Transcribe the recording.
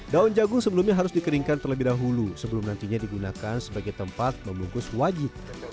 daun jagung sebelumnya harus dikeringkan terlebih dahulu sebelum nantinya digunakan sebagai tempat membungkus wajit